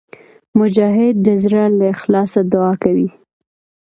مجاهد د زړه له اخلاصه دعا کوي.